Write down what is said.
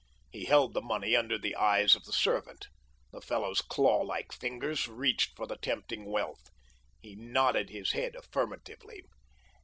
He held the money under the eyes of the servant. The fellow's claw like fingers reached for the tempting wealth. He nodded his head affirmatively.